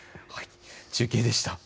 中継でした。